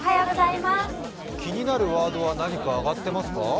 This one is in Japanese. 気になるワードは何か上がっていますか？